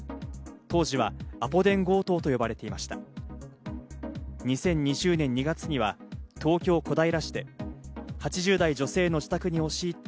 当時はアポ電強盗と呼ばれていました。